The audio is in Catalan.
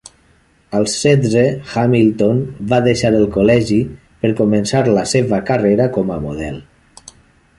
Als setze, Hamilton va deixar el col·legi per començar la seva carrera com a model.